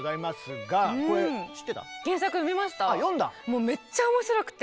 もうめっちゃ面白くて。